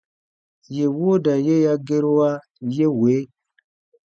Yè wooda ye ya gerua ye wee :